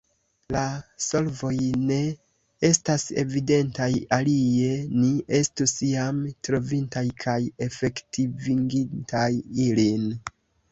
La solvoj ne estas evidentaj, alie ni estus jam trovintaj kaj efektivigintaj ilin.